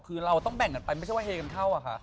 คือเราต้องแบ่งกันไปไม่ใช่ว่าเฮกันเข้าอะค่ะ